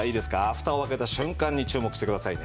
フタを開けた瞬間に注目してくださいね。